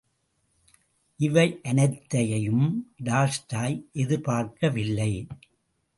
இவையனைத்தையும் Tolstoy எதிர்பார்க்கவில்லை.